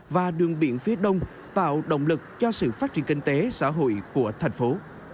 và đường biển phía đông tạo động lực cho sự phát triển kinh tế xã hội của thành phố